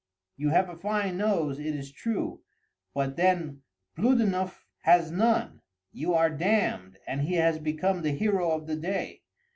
You have a fine nose, it is true; but then Bluddennuff has none. You are damned, and he has become the hero of the day.